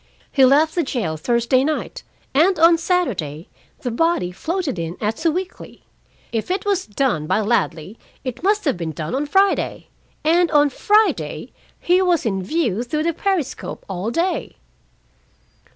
He left the jail Thursday night, and on Saturday the body floated in at Sewickley. If it was done by Ladley, it must have been done on Friday, and on Friday he was in view through the periscope all day!"